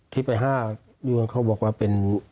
ที่ไปห้าอยู่กันเขาบอกว่าเป็น